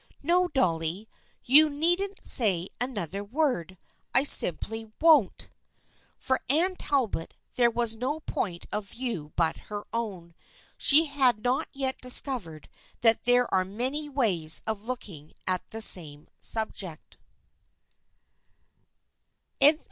No, Dolly, you needn't say another word. I simply won't' 1 For Anne Talbot there was no point of view but her own. She had not yet discovered that there are many ways of looking at the same subject.